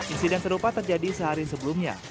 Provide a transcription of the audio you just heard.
insiden serupa terjadi sehari sebelumnya